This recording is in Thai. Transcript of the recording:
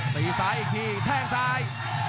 ตีซ้ายอีกทีแทงซ้าย